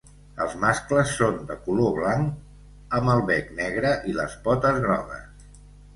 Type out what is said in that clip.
Els mascles són de color blanc, amb el bec negre i les potes grogues.